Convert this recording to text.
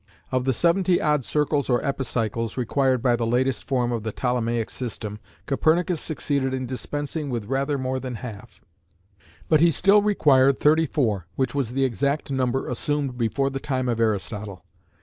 Of the seventy odd circles or epicycles required by the latest form of the Ptolemaic system, Copernicus succeeded in dispensing with rather more than half, but he still required thirty four, which was the exact number assumed before the time of Aristotle.